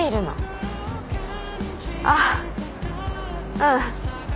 うん。